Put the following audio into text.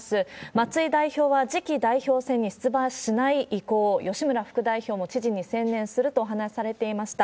松井代表は次期代表選に出馬しない意向、吉村副代表も知事に専念するとお話しされていました。